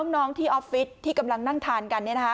น้องที่ออฟฟิศที่กำลังนั่งทานกัน